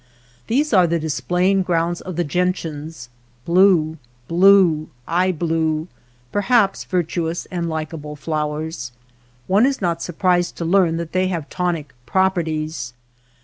These are the displaying grounds of the gentians — blue — blue — eye blue, per haps, virtuous and likable flowers. One is not surprised to learn that they have tonic properties.